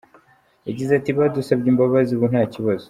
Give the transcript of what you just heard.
Yagize ati “Badusabye imbabazi, ubu nta kibazo.